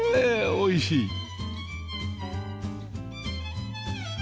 おいしい